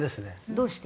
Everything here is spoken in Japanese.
どうして？